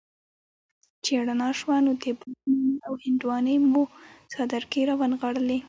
چې رڼا شوه نو د باغ مڼې او هندواڼې مو څادر کي را ونغاړلې